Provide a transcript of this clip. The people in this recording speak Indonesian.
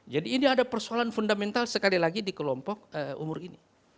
jadi ini adalah persoalan fundamental sekali lagi di kelompok umur ini